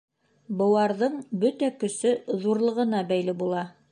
Быуарҙың бөтә көсө ҙурлығына бәйле була.